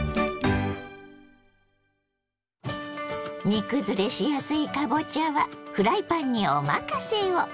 煮崩れしやすいかぼちゃはフライパンにお任せを！